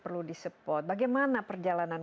perlu di support bagaimana perjalanan